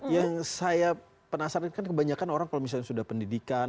yang saya penasaran kan kebanyakan orang kalau misalnya sudah pendidikan